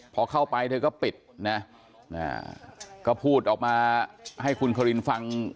พอเข้าไปเธอก็ปิดนะก็พูดออกมาให้คุณครินฟัง